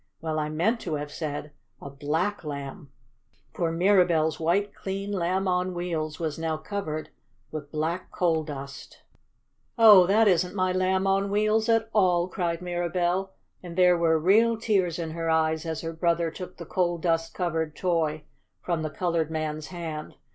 Well, I meant to have said a BLACK Lamb. For Mirabell's white, clean Lamb on Wheels was now covered with black coal dust. "Oh, that isn't my Lamb on Wheels at all!" cried Mirabell, and there were real tears in her eyes as her brother took the coal dust covered toy from the colored man's hand.